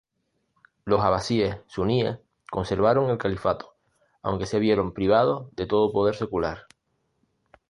Los abasíes suníes conservaron el califato, aunque se vieron privados de todo poder secular.